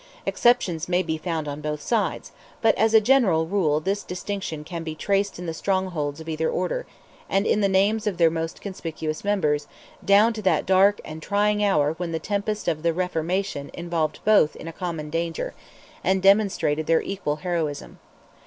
Exceptions may be found on both sides: but as a general rule this distinction can be traced in the strongholds of either order, and in the names of their most conspicuous members, down to that dark and trying hour when the tempest of "the Reformation" involved both in a common danger, and demonstrated their equal heroism.